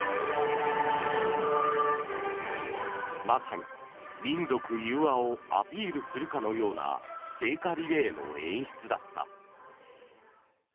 まさに民族融和をアピールするかのような聖火リレーの演出だった。